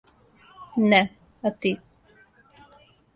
Не, а ти.